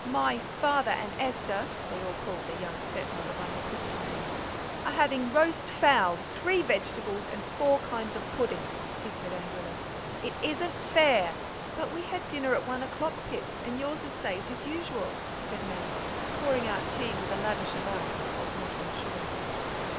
"My father and Esther" (they all called their young stepmother by her Christian name) "are having roast fowl, three vegetables, and four kinds of pudding," he said angrily; "it isn't fair!" "But we had dinner at one o'clock, Pip, and yours is saved as usual," said Meg, pouring out tea with a lavish allowance of hot water and sugar.